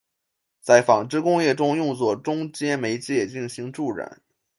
在纺织工业中用作中间媒介进行助染。